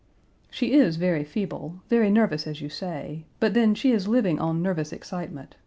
"She is very feeble, very nervous, as you say, but then she is living on nervous excitement.